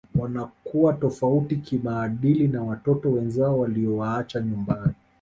Wanakuwa tofauti kimaadili na watoto wenzao waliowaacha nyumbani